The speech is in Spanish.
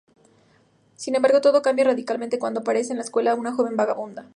Sin embargo, todo cambia radicalmente cuando aparece en su escuela una joven vagabunda.